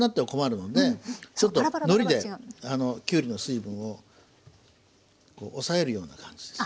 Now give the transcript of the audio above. のりできゅうりの水分を抑えるような感じです。